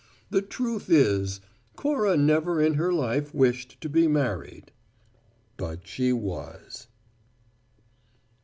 The truth is, Cora never in her life wished to be married. But she was.